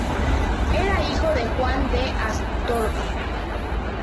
Era hijo de Juan de Astorga.